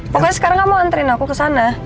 pokoknya sekarang kamu anterin aku kesana